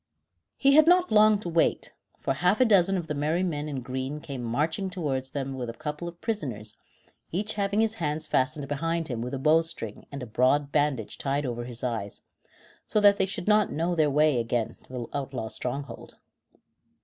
He had not long to wait, for half a dozen of the merry men in green came marching towards them with a couple of prisoners, each having his hands fastened behind him with a bow string and a broad bandage tied over his eyes, so that they should not know their way again to the outlaws' stronghold.